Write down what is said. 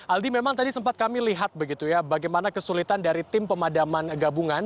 aldi memang tadi sempat kami lihat begitu ya bagaimana kesulitan dari tim pemadaman gabungan